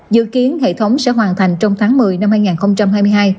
dự kiến hệ thống sẽ hoàn thành trong tháng một mươi năm hai nghìn hai mươi hai